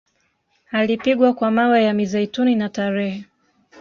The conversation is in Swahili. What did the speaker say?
Alipigwa kwa mawe ya mizeituni na tarehe